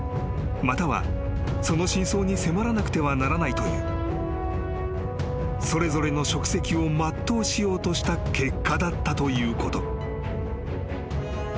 ［またはその真相に迫らなくてはならないというそれぞれの職責を全うしようとした結果だったということ］